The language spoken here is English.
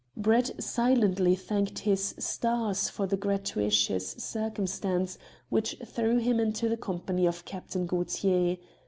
Brett silently thanked his stars for the gratuitous circumstance which threw him into the company of Captain Gaultier.